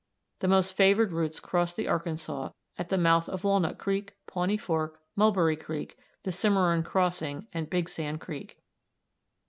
The most favored routes crossed the Arkansas at the mouth of Walnut Creek, Pawnee Fork, Mulberry Creek, the Cimarron Crossing, and Big Sand Creek.